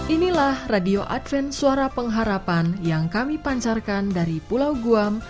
inilah radio adven suara pengharapan yang kami pancarkan dari pulau guam